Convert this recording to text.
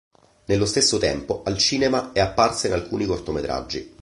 Nello stesso tempo al cinema è apparsa in alcuni cortometraggi.